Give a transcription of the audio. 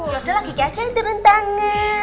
udah lah kiki aja yang turun tangan